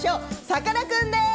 さかなクンです。